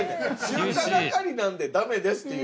「集荷係なんでダメです」っていう。